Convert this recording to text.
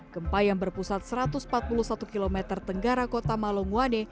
gempa yang berpusat satu ratus empat puluh satu km tenggara kota malanguane